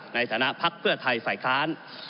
ในฐานะพักเพื่อไทยฝ่ายค้าน